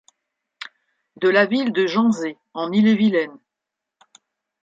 De la ville de Janzé en Ille-et-Vilaine.